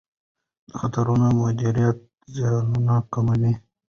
د خطرونو مدیریت زیانونه کموي.